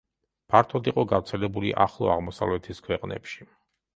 ფართოდ იყო გავრცელებული ახლო აღმოსავლეთის ქვეყნებში.